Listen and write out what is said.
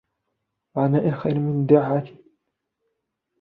وَعَنَاءٍ خَيْرٍ مِنْ دَعَةٍ